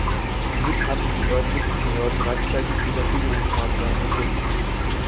Zum Glück hatten die örtlichen Behörden rechtzeitig Evakuierungsmaßnahmen ergriffen.